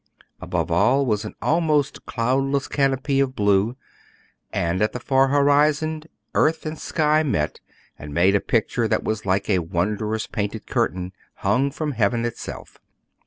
Above was an almost cloudless canopy of blue, and at the far horizon, earth and sky met and made a picture that was like a wondrous painted curtain hung from heaven itself.